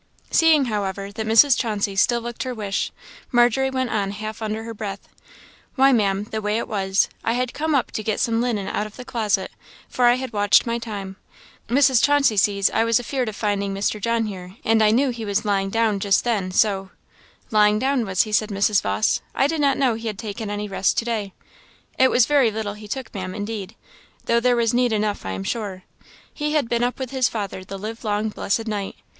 Seeing, however, that Mrs. Chauncey still looked her wish, Margery went on half under her breath "Why, Ma'am, the way it was I had come up to get some linen out of the closet, for I had watched my time; Mrs. Chauncey sees, I was afeard of finding Mr. John here, and I knew he was lying down just then, so " "Lying down was he?" said Mrs. Vawse. "I did not know he had taken any rest to day." "It was very little he took, Ma'am, indeed though there was need enough I am sure; he had been up with his father the live long blessed night.